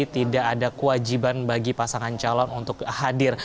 tidak ada kewajiban bagi pasangan calon untuk hadir